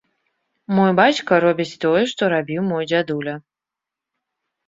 Мой бацька робіць тое, што рабіў мой дзядуля.